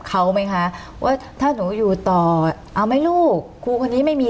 เขาไหมคะว่าถ้าหนูอยู่ต่อเอาไหมลูกครูคนนี้ไม่มี